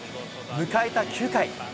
迎えた９回。